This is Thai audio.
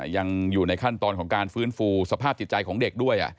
ยังอยู่ในขั้นตอนของการฟื้นฟูสภาพจิตใจของเด็กด้วย